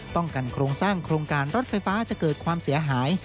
กันโครงสร้างโครงการรถไฟฟ้าจะเกิดความเสียหาย